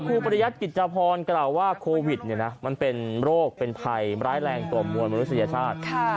พระครูปริยัติกิจจภรณ์กล่าวว่าโควิดเนี่ยนะมันเป็นโรคเป็นภัยร้ายแรงตัวมวลมนุษยชาติ